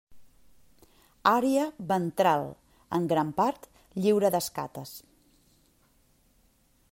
Àrea ventral, en gran part, lliure d'escates.